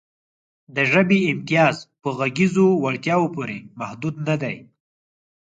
د ژبې امتیاز په غږیزو وړتیاوو پورې محدود نهدی.